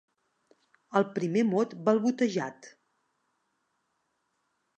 El primer mot balbotejat.